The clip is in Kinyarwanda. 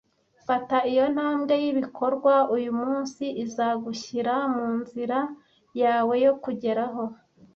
Fata iyo ntambwe y'ibikorwa uyumunsi izagushyira munzira yawe yo kugeraho.